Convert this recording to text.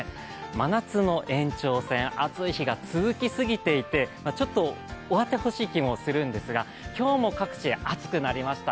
真夏の延長戦、暑い日が続き過ぎていてちょっと終わってほしい気もするんですが今日も各地暑くなりました。